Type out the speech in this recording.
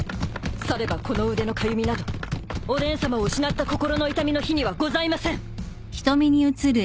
さればこの腕のかゆみなどおでんさまを失った心の痛みの比にはございません。